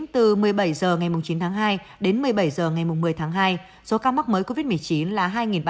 từ chín tháng hai đến một mươi bảy giờ ngày một mươi tháng hai số ca mắc mới covid một mươi chín là hai ba trăm sáu mươi